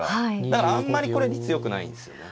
だからあんまりこれ率よくないんすよね。